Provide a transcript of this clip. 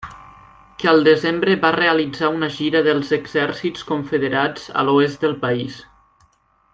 Que al desembre va realitzar una gira dels exèrcits confederats a l'oest del país.